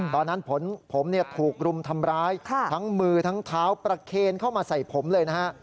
ตอนนั้นผมถูกรุมทำร้ายทั้งมือทั้งเท้าประเคนเข้ามาใส่ผมเลยนะฮะ